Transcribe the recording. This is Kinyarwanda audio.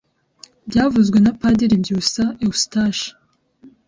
Byavuzwe na Padiri Byusa Eustache